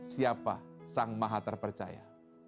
siapa sang maha terpercaya